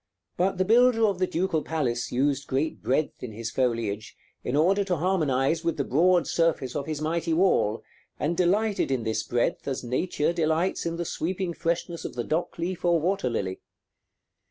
But the builder of the Ducal Palace used great breadth in his foliage, in order to harmonize with the broad surface of his mighty wall, and delighted in this breadth as nature delights in the sweeping freshness of the dock leaf or water lily.